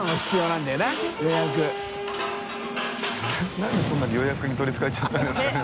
なんでそんなに予約に取りつかれちゃったんですかね？